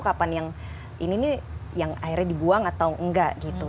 apa ini nih yang akhirnya dibuang atau enggak gitu